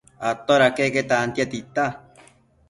Atoda queque tantia tita